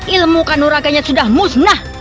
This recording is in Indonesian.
ilmu kanuraganya sudah musnah